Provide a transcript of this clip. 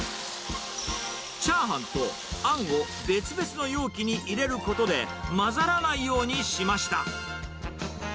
チャーハンとあんを別々の容器に入れることで、混ざらないようにしました。